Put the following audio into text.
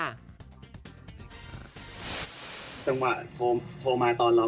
ตอนเรากำลังเนี่ย